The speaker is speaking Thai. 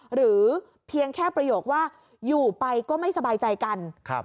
หรือเพียงแค่ประโยคว่าอยู่ไปก็ไม่สบายใจกัน